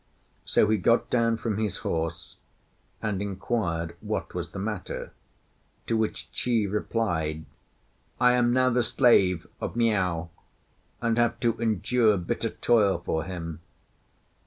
So he got down from his horse, and inquired what was the matter; to which Chi replied, "I am now the slave of Miao, and have to endure bitter toil for him.